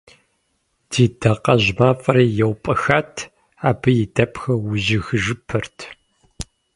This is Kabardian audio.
Ди дакъэжь мафӏэри еупӏэхат, абы и дэпхэр ужьыхыжыпэрт.